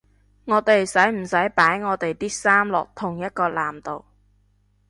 我哋使唔使擺我地啲衫落同一個籃度？